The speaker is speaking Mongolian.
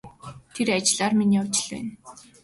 Тэр ажлаар чинь л явж байна.